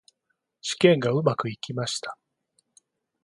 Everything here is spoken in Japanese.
試験がうまくいきました。